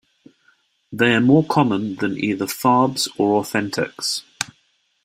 They are more common than either farbs or authentics.